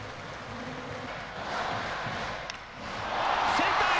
センターへ！